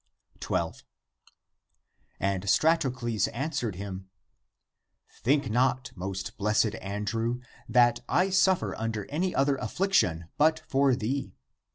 12. And Stratocles answered him, " Think not, most blessed Andrew, that I suffer under any other affliction, but for thee